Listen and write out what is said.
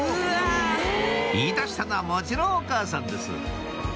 ・言いだしたのはもちろんお母さんです